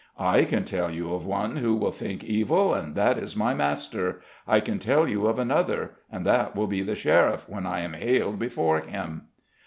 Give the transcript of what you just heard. "I can tell you of one who will think evil; and that is my master. I can tell you of another; and that will be the sheriff, when I am haled before him."